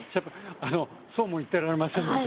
あのそうも言ってられませんので。